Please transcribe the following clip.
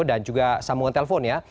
dan juga sambungan telpon ya